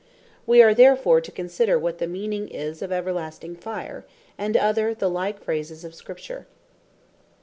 We are therefore to consider, what the meaning is, of Everlasting Fire, and other the like phrases of Scripture.